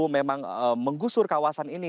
memang menggusur kawasan ini